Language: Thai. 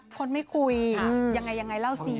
คนไม่คุยยังไงเล่าซี